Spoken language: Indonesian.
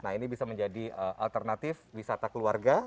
nah ini bisa menjadi alternatif wisata keluarga